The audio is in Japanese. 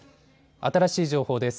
新しい情報です。